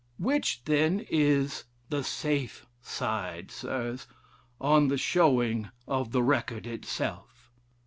Which then is 'the safe side.' Sirs, on the showing of the record itself?